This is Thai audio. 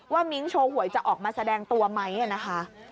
มิ้งโชว์หวยจะออกมาแสดงตัวไหมนะคะ